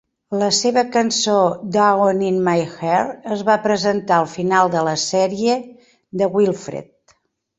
La seva cançó "Down in My Heart" es va presentar al final de la sèrie de "Wilfred".